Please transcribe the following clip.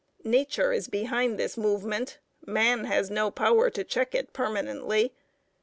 Nature is behind this movement; man has no power to check it permanently.